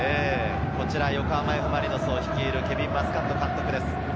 横浜Ｆ・マリノスを率いるケヴィン・マスカット監督です。